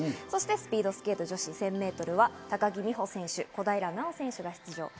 そしてスピードスケート女子１０００メートルは高木美帆選手、小平奈緒選手が出場。